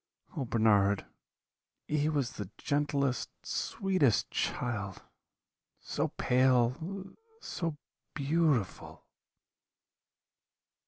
Oh, Bernard, he was the gentlest, sweetest child so pale! so beautiful!'